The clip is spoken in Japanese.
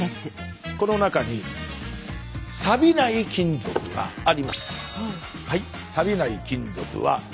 この中にサビない金属があります。